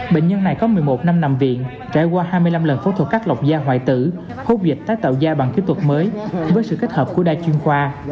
bệnh nhân này có một mươi một năm nằm viện trải qua hai mươi năm lần phẫu thuật cắt lọc da hoại tử hút dịch tái tạo ra bằng kỹ thuật mới với sự kết hợp của đa chuyên khoa